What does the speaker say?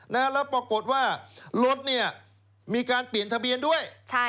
แล้วปรากฏว่ารถเนี่ยมีการเปลี่ยนทะเบียนด้วย